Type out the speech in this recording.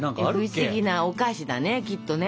フシギなお菓子だねきっとね。